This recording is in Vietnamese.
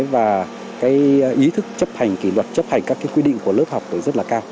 và cái ý thức chấp hành kỷ luật chấp hành các quy định của lớp học thì rất là cao